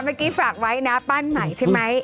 เมื่อกี้ฝากไว้นะปั้นใหม่ใช่ไหม